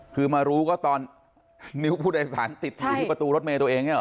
คือมารู้ก็ตอนนิ้วผู้โดยสารติดอยู่ที่ประตูรถเมย์ตัวเองเนี่ยห